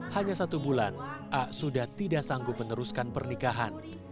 hanya satu bulan a sudah tidak sanggup meneruskan pernikahan